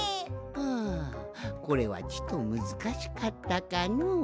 はあこれはちとむずかしかったかのう？